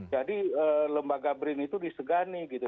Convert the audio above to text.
jadi lembaga brin itu disegani gitu